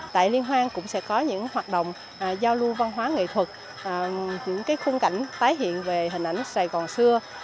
tại liên hoan cũng sẽ có những hoạt động giao lưu văn hóa nghệ thuật những khung cảnh tái hiện về hình ảnh sài gòn xưa